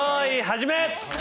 始め。